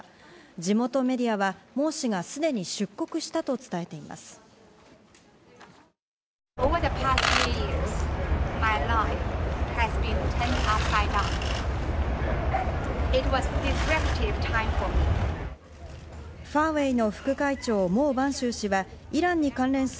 地元メディアはモウ氏がすでに出国したと伝えています。